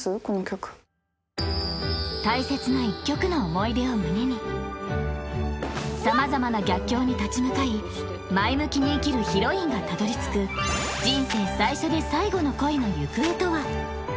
この曲大切な１曲の思い出を胸に様々な逆境に立ち向かい前向きに生きるヒロインがたどり着く人生最初で最後の恋の行方とは？